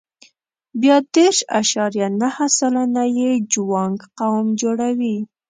بیا دېرش اعشاریه نهه سلنه یې جوانګ قوم جوړوي.